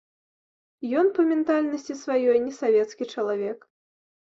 Ён па ментальнасці сваёй не савецкі чалавек.